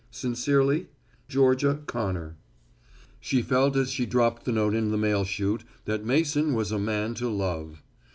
_ Sincerely, Georgia Connor. She felt as she dropped the note in the mail chute that Mason was a man to love.